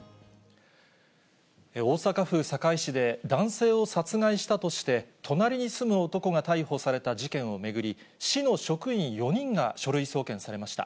大阪府堺市で、男性を殺害したとして、隣に住む男が逮捕された事件を巡り、市の職員４人が書類送検されました。